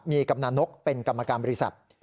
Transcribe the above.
มีกำนันนกเป็นกรรมการบริษัท